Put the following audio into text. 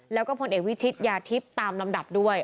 แล้วก็พลเอกวิชิตยาทิพย์ตามลำดับด้วย